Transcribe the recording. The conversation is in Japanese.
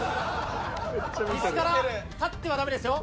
椅子から立ってはダメですよ。